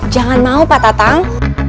jangan mau pak tatang